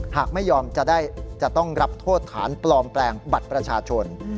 หากไม่ยอมจะต้องรับโทษฐานปลอมแปลงบัตรประชาชน